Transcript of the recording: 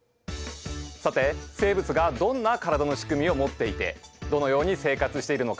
さて生物がどんな体の仕組みを持っていてどのように生活しているのか。